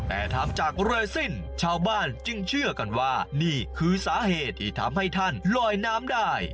แต่ทำจากเรซินชาวบ้านจึงเชื่อกันว่านี่คือสาเหตุที่ทำให้ท่านลอยน้ำได้